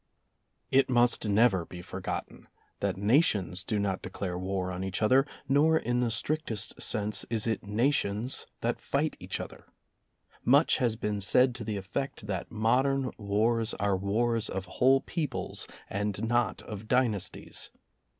It must never be forgotten that nations do not declare war on each other, nor in the strictest sense is it nations that fight each other. Much has been said to the effect that modern wars are wars of whole peoples and not of dynasties.